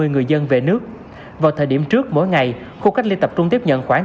hai mươi người dân về nước vào thời điểm trước mỗi ngày khu cách ly tập trung tiếp nhận khoảng